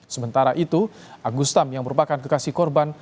sementara itu agustam yang merupakan kekasih korban